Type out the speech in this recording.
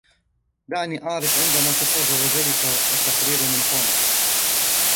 دعني أعرف عندما تسترجع ذلك التقرير من توم.